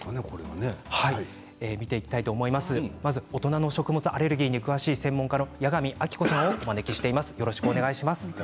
まず大人の食物アレルギーに詳しい専門家の矢上晶子さんをお招きしています。